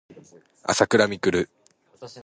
あさくらみくる